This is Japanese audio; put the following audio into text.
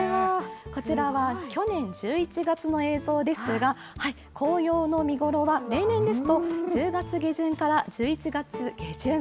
こちらは去年１１月の映像ですが、紅葉の見頃は例年ですと１０月下旬から１１月下旬。